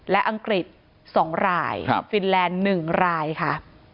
และอังกฤษ๒รายฟินแลนด์๑รายค่ะ